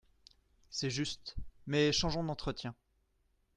C’est juste, Mais changeons d’entretien.